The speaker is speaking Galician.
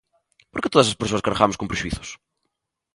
Porque todas as persoas cargamos con prexuízos.